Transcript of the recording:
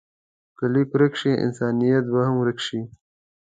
که لیک ورک شي، انسانیت به هم ورک شي.